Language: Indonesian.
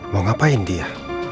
mau ngapain dia